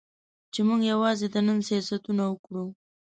چې موږ یوازې د نن سیاستونه وکړو.